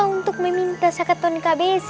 untuk meminta sakat tonik abc